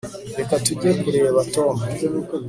reka tujye kureba tom